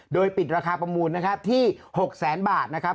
โดยปิดราคาประมูลที่๖๐๐๐๐๐บาทนะครับ